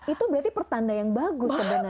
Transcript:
itu berarti pertanda yang bagus sebenarnya